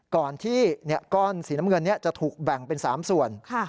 ก่อนที่ก้อนสีน้ำเงินนี้จะถูกแบ่งเป็น๓ส่วน